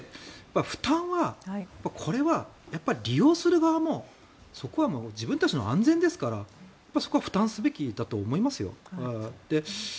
負担はこれは利用する側もそこは自分たちの安全ですからそこは負担すべきだと思います。